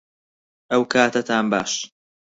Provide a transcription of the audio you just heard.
ئەوکاتەتان باش